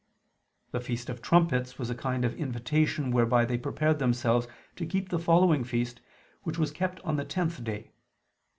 The feast of Trumpets was a kind of invitation whereby they prepared themselves to keep the following feast which was kept on the tenth day.